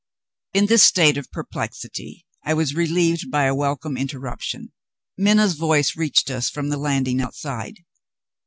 In this state of perplexity I was relieved by a welcome interruption. Minna's voice reached us from the landing outside.